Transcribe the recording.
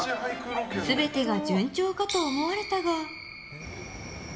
全てが順調かと思われたが。